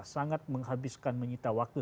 sangat menghabiskan menyita waktu